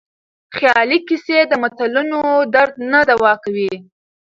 خیالي کيسې د ملتونو درد نه دوا کوي.